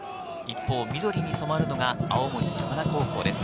緑に染まるのが青森山田高校です。